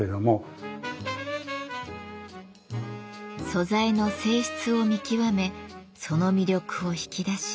素材の性質を見極めその魅力を引き出し